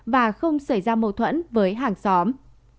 và không xảy ra mâu thuẫn với hàng tháng